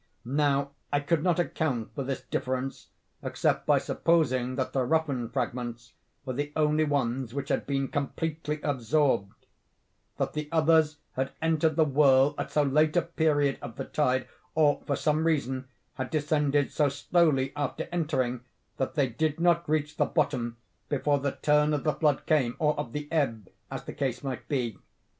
Now I could not account for this difference except by supposing that the roughened fragments were the only ones which had been completely absorbed—that the others had entered the whirl at so late a period of the tide, or, for some reason, had descended so slowly after entering, that they did not reach the bottom before the turn of the flood came, or of the ebb, as the case might be.